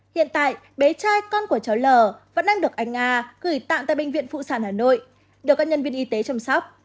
hiện tại bé trai con của cháu l vẫn đang được anh nga gửi tặng tại bệnh viện phụ sản hà nội được các nhân viên y tế chăm sóc